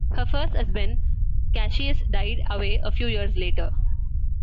Her first husband, Cassius, died away a few years later.